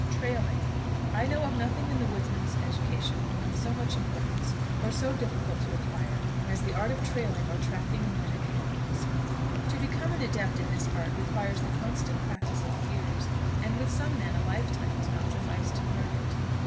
TRAILING. I know of nothing in the woodman's education of so much importance, or so difficult to acquire, as the art of trailing or tracking men and animals. To become an adept in this art requires the constant practice of years, and with some men a lifetime does not suffice to learn it.